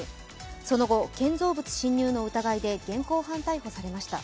その後建造物侵入の疑いで現行犯逮捕されました。